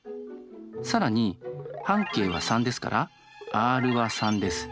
更に半径は３ですからｒは３です。